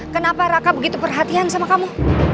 kenapa raka begitu perhatian sama kamu